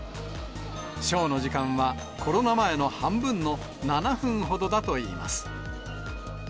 ショーの時間は、コロナ前の半分の７分ほどだといいます。